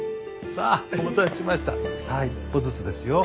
さあ一歩ずつですよ。